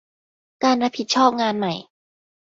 การรับผิดชอบงานใหม่